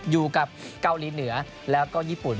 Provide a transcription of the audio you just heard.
อยู่กับเกาหลีเหนือแล้วก็ญี่ปุ่น